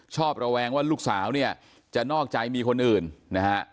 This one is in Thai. ระแวงว่าลูกสาวเนี่ยจะนอกใจมีคนอื่นนะฮะ